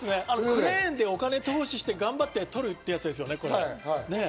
クレーンってお金を投資して、頑張って取るやつですよね。